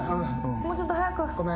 もうちょっと速く。